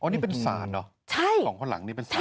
อ๋อนี่เป็นสานเหรอ๒คนหลังให้เป็นสาน